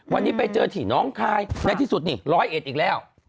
วันนี้ไปเจอที่น้องคายในที่สุดนี่ร้อยเอ็ดอีกแล้ว